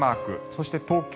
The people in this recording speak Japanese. そして、東京